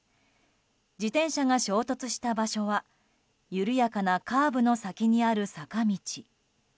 自転車が衝突した場所は緩やかなカーブの先にある坂道。